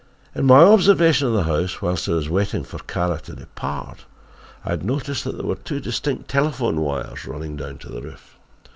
"In my observation of the house, whilst I was waiting for Kara to depart, I had noticed that there were two distinct telephone wires running down to the roof.